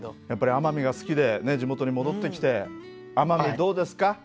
やっぱり奄美が好きで地元に戻ってきて奄美どうですか？